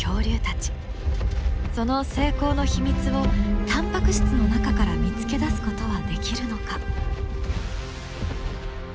その成功の秘密をタンパク質の中から見つけ出すことはできるのか？